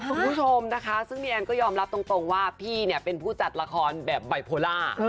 คุณผู้ชมนะคะซึ่งพี่แอนก็ยอมรับตรงว่าพี่เนี่ยเป็นผู้จัดละครแบบไบโพล่า